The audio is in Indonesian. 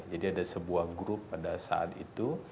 jadi ada sebuah grup pada saat itu